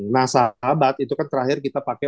nah sahabat itu kan terakhir kita pakai